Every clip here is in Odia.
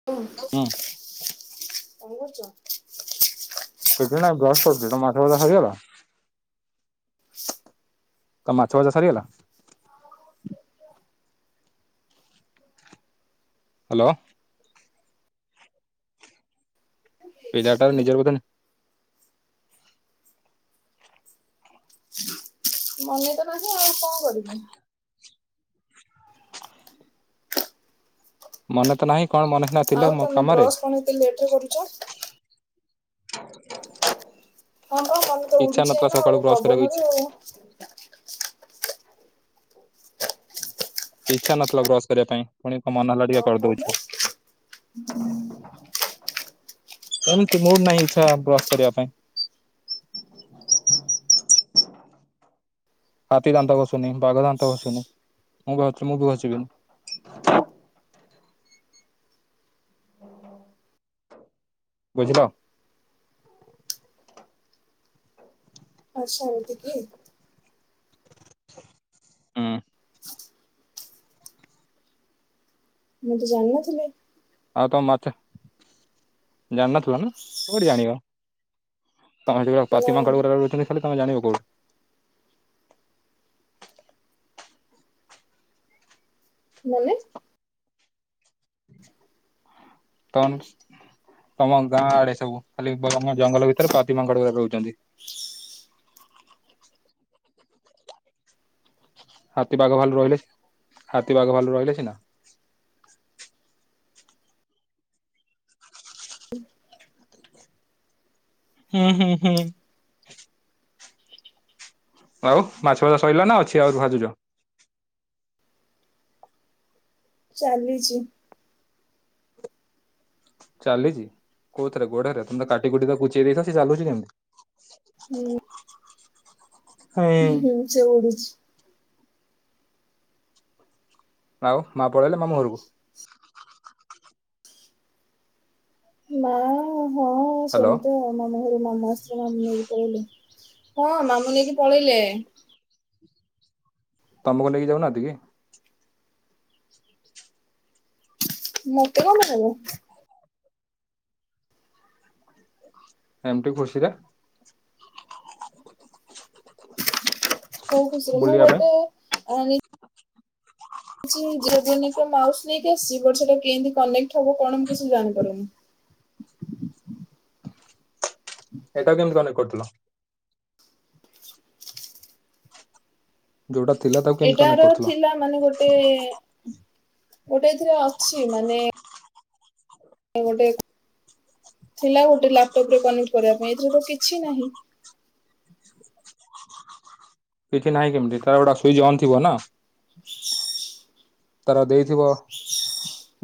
ଓ। ହଁ। କଣ କରୁଛୁ? କିଛି ନାଇଁ ବ୍ରସ କରୁଛି ତ ମାଛ ଭଜା ସରିଗଲା। ତୋ ମାଛ ଭଜା ସରିଗଲା। ହ୍ୟାଲୋ। ପିଲାଟା ନିଜ ଭିତରେ ମନେ ତ ନାହିଁ ଆଉ କଣ କରିବି? ମନେ ତ ନାହିଁ କଣ ମନେ ନା ଆଉ ତମେ ବ୍ରସ୍ କଣ ଏତେ ଲେଟରେ କରୁଛ? ହ ହଁ ହଁ ମନେ ତ ଉଡୁଛି ଏଇନା ସକାଳୁ ଆଉ ବ୍ରସ୍ କରିବାକୁ ଇଚ୍ଛା ପବନରେ ଆଉ ଇଚ୍ଛା ନଥିଲା ବ୍ରସ କରିବା ପାଇଁ ପୁଣି ତ ମନ ହେଲା ଟିକେ ଓହୋ କରିଦଉଛ। ଏମିତି ମୁଡ ନାହିଁ ଇଛା ବ୍ରସ୍ କରିବା ପାଇଁ। ହାତୀ ଦାନ୍ତ ଘସୁନି ବାଘ ଦାନ୍ତ ଘଷୁନି ମୁଁ ମୁଁ ବି ଘଷିବିନି। ବୁଝିଲ? ହସମ ଟିକେ। ହଁ। ମୁଁ ତ ଜାଣିିନଥିଲେ। ଆଉ ତ ମାଛ ଜାଣନଥିଲ ନା କୋଉଠି ଜାଣିବ? ତମେ ସେଠି ନା ପାତିମାଙ୍କଡ ଗୁରା ରହୁଥିଲେ ହେଲେ ତମେ ଜାଣିବ କୋଉଠୁ? ମାନେ ତମ୍ସ ତମ ଗାଁ ଆଡେ ସବୁ ଖାଲି ଜଙ୍ଗଲ ଭିତରେ ପାତିମାଙ୍କଡଗୁରା ରହୁଛନ୍ତି। ହାତୀ ବାଘ ଭାଲୁ ରହିଲେ ସି ହାତୀ ବାଘ ଭଲୁ ରହିଲେ ସିନା ହୁଁ ହୁଁ ହୁଁ ହୁଁ। ଆଉ ମାଛ ଭଜା ସଇଲା ନା ଅଛି ଆଉ ଭାଜୁଛ? ଚାଲିଛି ଚାଲିଛି କୋଉଥିରେ ଗୋଡରେ ତମେ କାଟିକୁଟି ତା କୁଚେଇ ଦେଇଛ ସେ ଚାଲୁଛି କେମିତି? ହୁଁ। ହୁଁ ହୁଁ ସେ ଉଡୁଛି। ଆଉ ମା ପଳେଇଲେ ମାମୁଁ ଘରକୁ? ମା ହଁ ହ୍ୟାଲୋ ସେମିତି ଆଉ ମାମୁଁ ଘରେ ମାମୁଁ ଆସି ମାମୁଁ ନେଇକି ପଳେଇଲେ। ହଁ ମାମୁଁ ନେଇକି ପଳେଇଲେ। ତମକୁ ନେଇକି ଯାଉନାହାନ୍ତି କି? ମୋତେ କଣ ପାଇଁ ନେବେ? ଏମତି ଖୁସିରେ। କୋଉ ଖୁସିରେ ମୁଁ ବୁଲିବା ପାଇଁ ଗୋଟେ ଅଣି ଚି ଯେହେତୁ ଏହିନିକ ମାଉସି ନେଇକି ଆସିଛି ବଟ ସେଟା କେତି କନେକ୍ଟ ହବ କଣ ମୁଁ କିଛି ଜାଣିପାରୁନୁ? ଏଇଟାକୁ କେମିତି କନେକ୍ଟ କରୁଥିଲ? ଯୋଉଟା ଥିଲା ତା ଏଇଟାର ଥିଲା ମାନେ ଗୋଟେ ଗୋଟେ ଏଥିରେ ଅଛି ମାନେ ଏ ଗୋଟେ ଥିଲା ଗୋଟେ ଲାପଟପ ରେ କନେକ୍ଟ କରିବା ପାଇଁ ଏଥିରେ ତ କିଛି ନାହିଁ। କିଛି ନାହିଁ କେମିତି ତାର ଗୋଟା ସୁଇଚ୍ ଅନ୍ ଥିବ ନା। ତାର ଦେଇଥିବ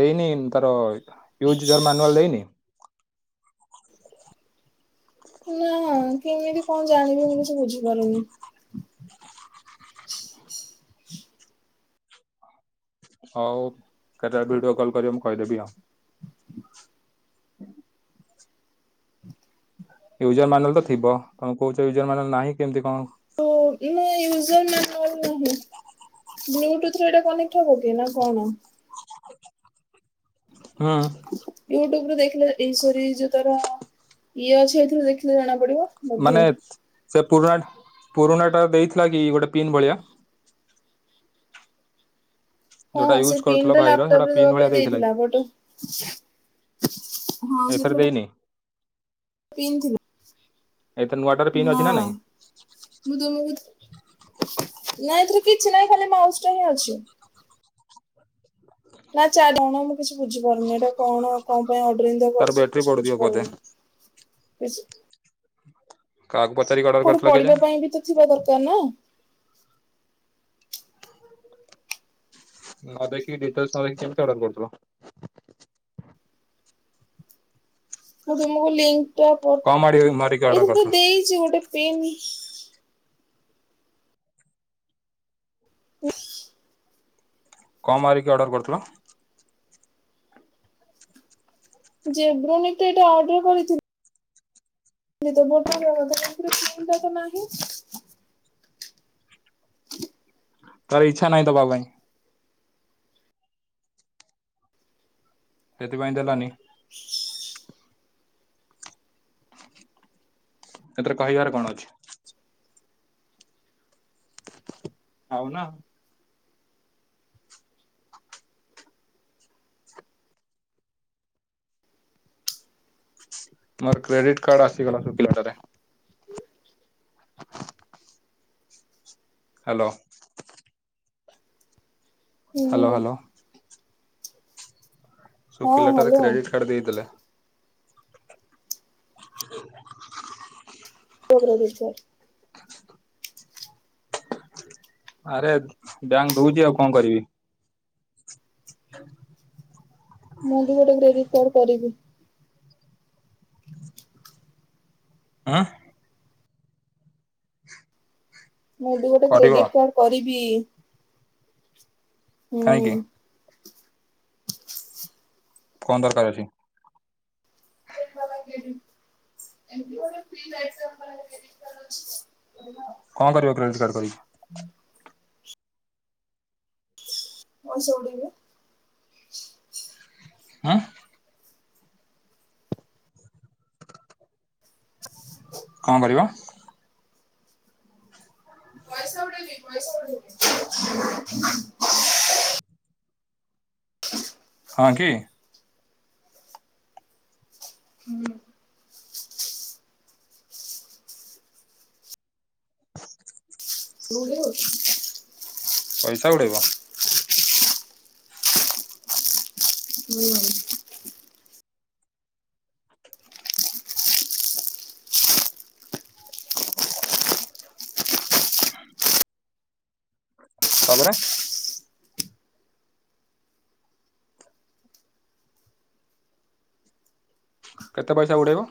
ଦେଇନି ତାର ୟୁଜ ରମାନୁଆଲ ଦେଇନି? ନା କେମିତି କଣ ଜାଣିବି ମୁଁ କିଛି ବୁଝିପାରୁନି? ହଉ କେତେଳେ ଭିଡିଓ କଲ୍ କରିବ ମୁଁ କହିଦେବି ଆଉ। ହୁଁ ୟୁଜର ମାନୁଆଲ ତ ଥିବ ତମେ କହୁଛ ୟୁଜର ମାନୁଆଲ ନାହିଁ କେମିତି କଣ? ନା ୟୁଜର ମାନୁଆଲ ନାହିଁ। ବ୍ଲୁଟୁଥ ରେ ଏଇଟା କନେକ୍ଟ ହବ କି ନା କଣ? ହଁ। ୟୁଟ୍ୟୁବୁ ରେ ଦେଖିଲେ ଏଇଶରୀ ଯୋଉ ତର ଇଏ ଅଛି ଏଇଥିରେ ଦେଖିଲେ ଜଣା ପଡିବ। ବୋଧେ। ମାନେ ସେ ପୁରୁଣା ପୁରୁଣା ଟା ଦେଇଥିଲା କି ଗୋଟେ ପିନ୍ ଭଳିଆ। ହଁ ଯୋଉଟା ସେ ୟୁଜ୍ ପିନ୍ କରୁଥିଲ ଟା ଭାଇର ସେଇଟା ଲାପଟପରେ ପିନ୍ ଦବା ଭଳିଆ ପାଇଁ କି? ଦେଇଥିଲା ବଟ୍ ଏଇଥର ଦେଇନି? ପିନ୍ ଥିଲା। ଏଇଥରେ ନୂଆଟାରେ ପିନ୍ ଅଛି ନା ନାଇଁ? ମୁଁ ତମକୁ ଥା ନାଇଁ ଏଥର କିଛି ନହିଁ ଖାଲି ମାଉସ ଟା ହିଁ ଅଛି। ନା ଚାରି ଜଣ ମୁଁ କିଛି ବୁଝିପାରୁନି ଏଇଟା କଣ? କଣ ପାଇଁ ଅର୍ଡର ଏମିତିଆ ତାର କରିଛି ମୁଁ ବ୍ୟାଟେରୀ କିଛି ପଡୁଥିବ ବୋଧେ ବୁଝିପାରୁନି। ଇଶ୍ କାହାକୁ ପଚାରିକି ଅର୍ଡର ପୁଣି କରିଥିଲ ପଢିବା କେଜାଣି ପାଇଁ ବି ତ ଥିବା ଦରକାର ନା? ନ ଦେଖକି ଡିଟେଲସ [unintelligible] କେମିତି ଅର୍ଡର କରୁଥିଲ। ମୁଁ ତୁମକୁ ଲିଙ୍କ ଟା ପ କଣ ମାରି ମାରିକି ଏଇ ଅର୍ଡର ଥରେ ତ କରିଥିଲ ଦେଇଛି ଗୋଟେ ପିନ୍ ହୁଁ। କ ମାରିକି ଅର୍ଡ଼ର କରୁଥିଲ? ଜେବ୍ରନିକି ତ ଏଇଟା ଅର୍ଡର କରିଥି ତ ବୋଟ କଙ୍କନ୍ଟାଟ ନାଁ [unintelligible] ତାର ଇଚ୍ଛା ନାହିଁ ଦବା ପାଇଁ। ସେଥିପାଇଁ ଦେଲାନି। ହ ଏଥିରେ କହିବାର କଣ ଅଛି। ଆଉ ନା। ମୋର କ୍ରେଡିଟ କାର୍ଡ ଆସିଗଲା ଶୁଖିଲାଟା ରେ। ହ୍ୟାଲୋ। ହ୍ୟାଲୋ ହୁଁ ହ୍ୟାଲୋ। ହଁ ଶୁଖିଲା ଟାରେ ହ୍ୟାଲୋ କ୍ରେଡିଟ୍ କାର୍ଡ ଦେଇଥିଲେ। କୋଗ ଦ ସ [unintelligible] ଆରେ ବ୍ୟାଙ୍କ ଦଉଛି ଆଉ କଣ କରିବି। ହଁ ମୁଁ ବି ଗୋଟେ କ୍ରେଡିଟ କାର୍ଡ କରିବି। ଆଁ। ମୁଁ ବି ଗୋଟେ କରିବ। କ୍ରେଡିଟ୍ କାର୍ଡ କରିବି। କାହିଁକି? କଣ ଦରକାର ଅଛି? [unintelligible] କଣ କରିବ କ୍ରେଡିଟ୍ କାର୍ଡ କରି ପଇସା ଉଡ଼େଇବି। ଆଁ କଣ କରିବ? ପଇସା ଉଡ଼େଇବି ପଇସା ଉଡେଇବି। ହୁଁ। ହଁ କି। ହୁଁ। [inaudible] ତୁ ଉଡ଼େଇବୁ। ପଇସା ଉଡ଼େଇବ। ହୁଁ। [inaudible] ତାପରେ। କେତେ ପଇସା ଉଡେଇବ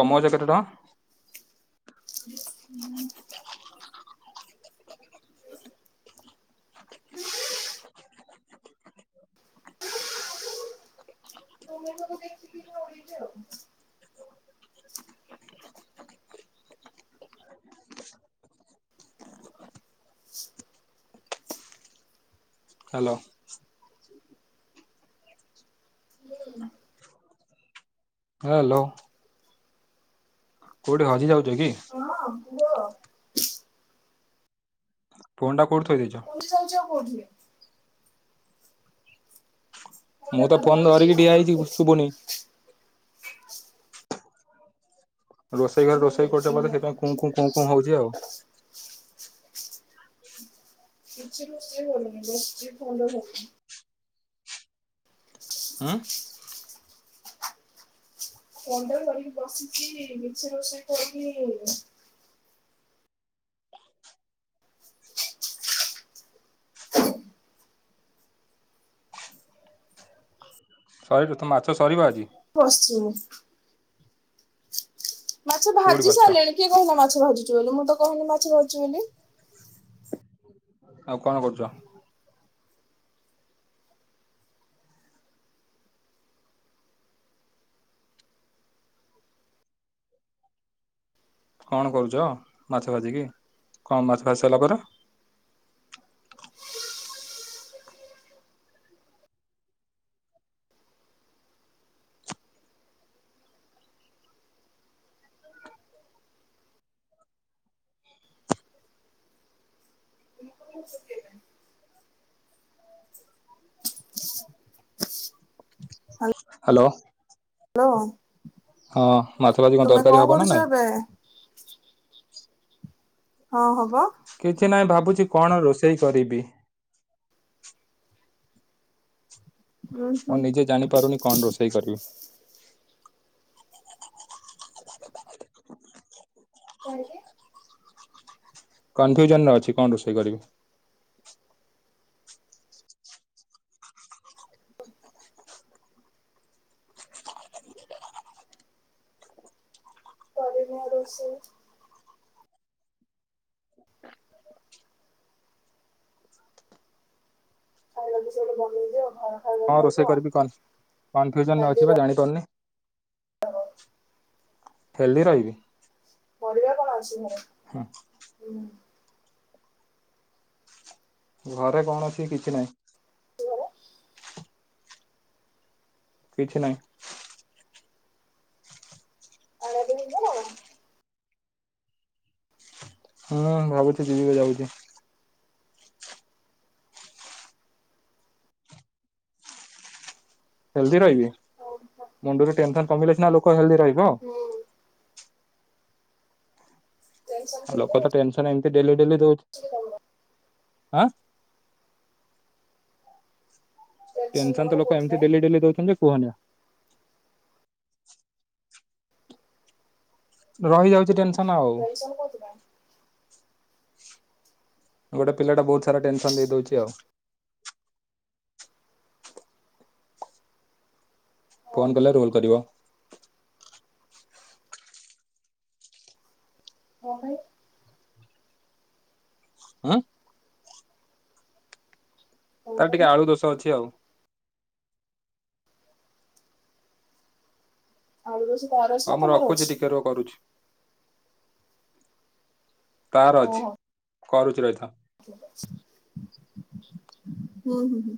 କମଉଛ କେତେ ଟଙ୍କା? ସବୁ ଦେଖିକି ମୁଁ ଉଡେଇବି ଆଉ। ହାଲୋ। ହାଲୋ। କୋଉଠେ ହଜିଯାଉଛ କି। ହଁ କୁହ। ଫୋନ୍ ଟା କୋଉଠି ଥୋଇ ଦେଇଚ? କଥା ହଉଚ କୋଉଥିରେ। ଫୋନରେ ମୁଁ ତ କଥା ଫୋନ ଧରିଛି ଧରିକି ଆଉ ଠିଆ ହେଇଛି କୋଉଠି? କୁ ଶୁଭୁନି। ରୋଷେଇ ଘରେ ରୋଷେଇ କରୁଛ ବଧେ ସେଇଥିପାଇଁ କୁଁ କୁଁ କୁଁ କୁଁ ହଉଚି ଆଉ। କିଛି ରୋଷେଇ ହେଉନି ବସିଚି ଫୋନ୍ ଟା ଧରିକି। ହାଁ। ଫୋନ୍ ଟା ଧରିକି ବସିଛି ରୋଷେଇ ବାସ କରୁନି। କହିଲୁ ତ ମାଛ ସରିବ ଆଜି। ବସଚି। ମାଛ କୋଉଠି ଭାଜି ବସିଛ ସାରିଲେଣି, କିଏ କହିଲା ମାଛ ଭାଜୁଛି ବୋଲି ମୁଁ ତ କହିନି ମାଛ ଭାଜୁଛି ବୋଲି। ଆଉ କଣ କରୁଛ? କଣ କରୁଛ ମାଛ ଭାଜିକିି କଣ ମାଛ ଭାଜି ସାରିଲା ପରେ। [inaudible] [inaudible] ହାଲୋ। ହାଲୋ ମାଛ ଭାଜି ତୁମେ ତରକାରୀ ହବ କଣ ନା କରୁଛ ନାଇଁ ଏବେ? ହଁ ହବ। କିଛି ନାହିଁ ଭାବୁଛି କଣ ରୋଷେଇ କରିବି। ଉଁ ମୁଁ ହୁଁ। ନିଜେ ଜାଣିପାରୁନି କଣ ରୋଷେଇ କରିବି। କାହିଁକି? କନଫ୍ୟୁଜନରେ ଅଛି କଣ ରୋଷେଇ କରିବି। କରୁନ ରୋଷେଇ। ଖାଇବା ଜିନିଷ ଗୋଟେ ବନେଇ ଦିଅ ଭ କଣ ରୋଷେଇ କରିବି କନ କନଫ୍ୟୁଜନ ହେଲ୍ଦି ଅଛି ବା ର ଜାଣି ପାରୁନି। ହେଲ୍ଦୀ ରହିବି। ପରିବା କଣ ଅଛି ଘରେ। ହୁଁ। [unintelligible] ଘରେ କଣ ଅଛି କିଛି ନାଇଁ। କିଛି ନାହିଁ। ଆଣିବାକୁ ଯିବ ନା କଣ। ହୁଁ ଭାବୁଛି ଯିିବି ବି ଯାଉଚି। ହେଲ୍ଦି ରହିବି ଆଉ ମୁଣ୍ଡୁରୁ ଟେନସନ୍ କମିଲେ ସିନା ଲୋକ ହେଲ୍ଦି ରହିବ। ହୁଁ। [unintelligible] ଆଉ ଲୋକୋ ତ ଟେନସନ୍ ଏମିତି ଡେଲ୍ଲୀ ଡେଲ୍ଲୀ ଦୋଉ [unintelligible] ଆଁ ଟେନସନ ଟେନସନ୍ ତ ତମର ଲୋକ ଏମିତି କୋଉଥିପାଇଁ ଡେଲ୍ଲୀ ଡେଲ୍ଲୀ ଦୋଉଛନ୍ତି ଯେ କୁହନି ଆଉ। ରହିଯାଉଛି ଟେନସ ଟେନସନ୍ କୋଉଥି ପାଇଁ। ଗୋଟେ ପିଲାଟା ବୋହୁତ ସାରା ଟେନସନ୍ ଦେଇ ଦୋଉଛି ଆଉ। ହଁ ଫୋନ୍ କଲେ ରୋଲ୍ କରିବ। କଁ ପାଇଁ। ଉଁ ତମ ତାର ଟିକେ ପାଇଁ ଆଳୁ ଦୋଷ ଅଛି ଆଉ। ଆଳୁ ଦୋଷୋ ତାର ଅଛି ହଉ ନା ମୁଁ ତମର ଅଛି। [unintelligible] କରୁଛି। ତାର ଅଛି କରୁଛି ରହିଥାଅ। ଠିକ୍ ଅଛି ହୁଁ ହୁଁ ହୁଁ।